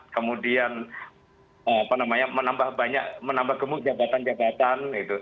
kemudian menambah gemuk jabatan jabatan